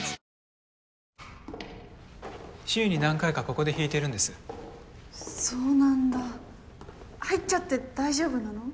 ここで弾いてるんですそうなんだ入っちゃって大丈夫なの？